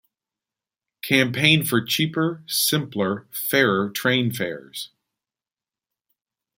Campaign for cheaper, simpler, fairer train fares.